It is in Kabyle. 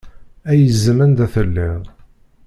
Ay izem anda telliḍ.